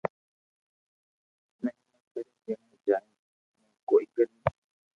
مھيما ڪري جڻي جائين امو ڪوئي ڪريو